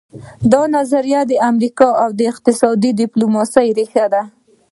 دا نظریه د امریکا د اقتصادي ډیپلوماسي ریښه ده